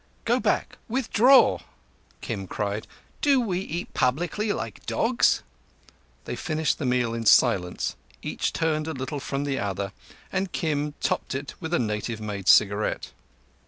"Go back! Withdraw!" Kim cried. "Do we eat publicly like dogs?" They finished the meal in silence, each turned a little from the other, and Kim topped it with a native made cigarette.